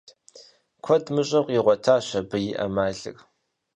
Куэд мыщӏэу къигъуэтащ абы и ӏэмалыр.